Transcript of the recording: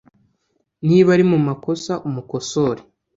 niba ari mu makosa umukosore